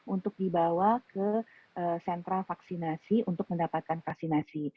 untuk dibawa ke sentra vaksinasi untuk mendapatkan vaksinasi